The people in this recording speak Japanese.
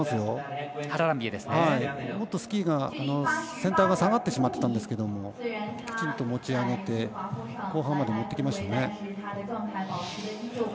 もっとスキーが先端が下がってしまっていたんですけどきちんと持ち上げて後半まで持ってきました。